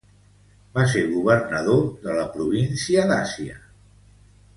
Va ser governador de la província d'Àsia.